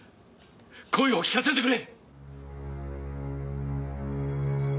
声を聞かせてくれ！